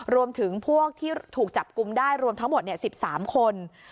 รวมถึงพวกที่ถูกจับกลุ่มได้รวมทั้งหมด๑๓คน